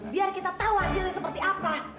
biar kita tahu hasilnya seperti apa